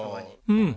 うん。